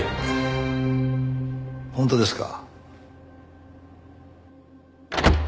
本当ですか？